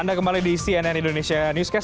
anda kembali di cnn indonesia newscast